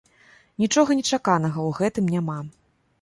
Нічога нечаканага ў гэтым няма.